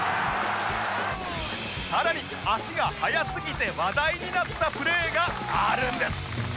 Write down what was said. さらに足が速すぎて話題になったプレーがあるんです